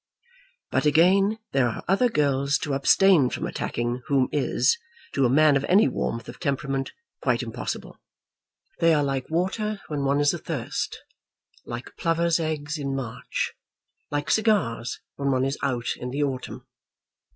But, again, there are other girls to abstain from attacking whom is, to a man of any warmth of temperament, quite impossible. They are like water when one is athirst, like plovers' eggs in March, like cigars when one is out in the autumn.